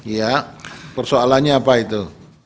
ya persoalannya apa itu